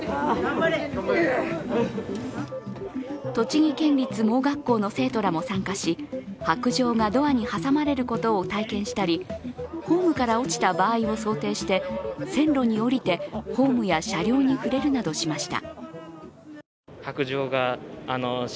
栃木県立盲学校の生徒らも参加し、白じょうがドアに挟まれることを体験したり、線路から落ちた場合を想定して線路に下りてホームや車両に触れるなどしました。